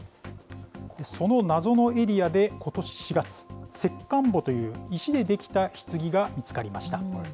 その謎のエリアでことし４月、石棺墓という、石で出来たひつぎが見つかりました。